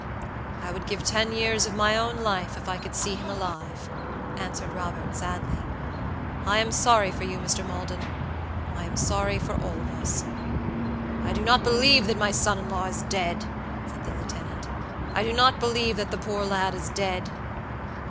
"I would give ten years of my own life if I could see him alive," answered Robert, sadly. "I am sorry for you, Mr. MaldonI am sorry for all of us." "I do not believe that my son in law is dead," said the lieutenant; "I do not believe that the poor lad is dead."